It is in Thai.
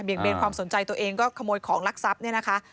เบนความสนใจตัวเองก็ขโมยของลักทรัพย์เนี่ยนะคะ